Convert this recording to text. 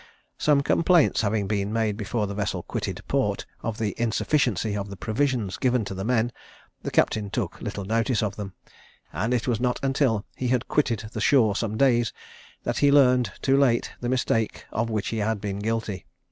Some complaints having been made before the vessel quitted port, of the insufficiency of the provisions given to the men, the captain took little notice of them; and it was not until he had quitted the shore some days, that he learned, too late, the mistake of which he had been guilty.